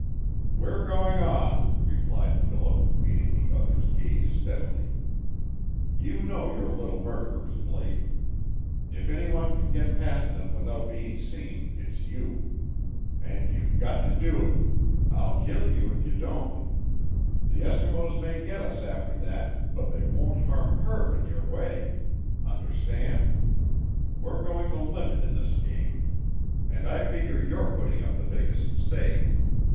"We're going on," replied Philip, meeting the other's gaze steadily. "You know your little murderers, Blake. If any one can get past them without being seen it's you. And you've got to do it. I'll kill you if you don't. The Eskimos may get us after that, but they won't harm HER in your way. Understand? We're going the limit in this game. And I figure you're putting up the biggest stake.